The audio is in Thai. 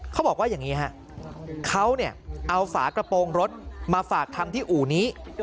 เขาบอกว่าอย่างนี้ฮะเขาเนี่ยเอาฝากระโปรงรถมาฝากทำที่อู่นี้